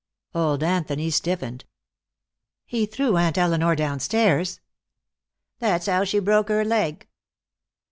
Old Anthony stiffened. "He threw Aunt Elinor downstairs?" "That's how she broke her leg."